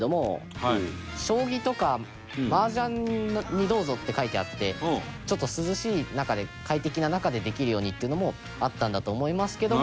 「将棋とか麻雀にどうぞ」って書いてあってちょっと、涼しい中で快適な中でできるようにっていうのもあったんだと思いますけども。